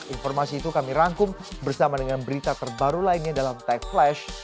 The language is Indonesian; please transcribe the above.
informasi itu kami rangkum bersama dengan berita terbaru lainnya dalam tech flash